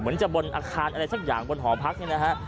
เหมือนจะบนอาคารอะไรสักอย่างบนหอพักเนี่ยนะฮะ